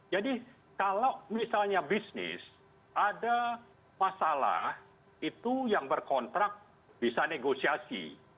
jadi kalau misalnya bisnis ada masalah itu yang berkontrak bisa negosiasi